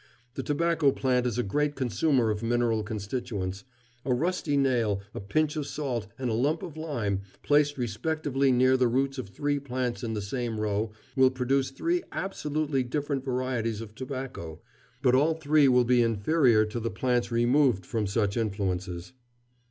The tobacco plant is a great consumer of mineral constituents. A rusty nail, a pinch of salt, and a small lump of lime, placed respectively near the roots of three plants in the same row, will produce three absolutely different varieties of tobacco, but all three will be inferior to the plants removed from such influences."